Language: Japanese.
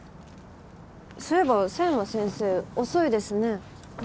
そういえば佐山先生遅いですね。